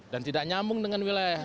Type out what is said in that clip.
dan tidak nyambung dengan wilayah